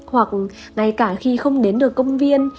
hoặc ngay cả khi không đến được công viên